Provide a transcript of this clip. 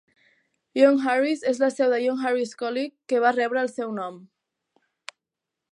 Young Harris és la seu del Young Harris College, que va rebre el seu nom.